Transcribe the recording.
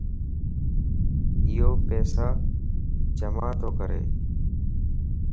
ايو پيسا جمع تو ڪري